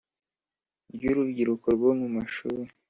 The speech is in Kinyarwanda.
ry Urubyiruko rwo mu mashuri